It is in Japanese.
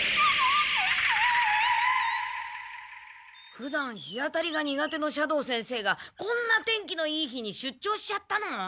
ふだん日当たりが苦手の斜堂先生がこんな天気のいい日に出張しちゃったの？